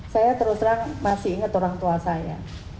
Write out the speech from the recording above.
saya terus terang masih ingat orang tua saya